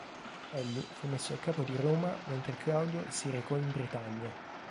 Egli fu messo a capo di Roma mentre Claudio si recò in Britannia.